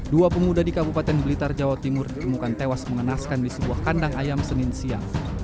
dua pemuda di kabupaten blitar jawa timur ditemukan tewas mengenaskan di sebuah kandang ayam senin siang